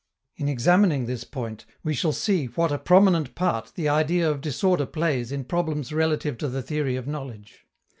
In examining this point, we shall see what a prominent part the idea of disorder plays in problems relative to the theory of knowledge.